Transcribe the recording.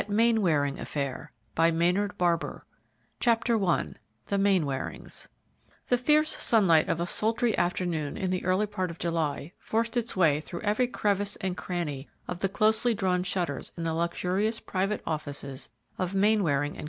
MAINWARING XXVII THE SILENT WITNESS CHAPTER I THE MAINWARINGS The fierce sunlight of a sultry afternoon in the early part of July forced its way through every crevice and cranny of the closely drawn shutters in the luxurious private offices of Mainwaring & Co.